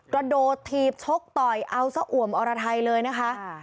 กระโดดถีบชกต่อยเอาซะอ่วมอรไทยเลยนะคะ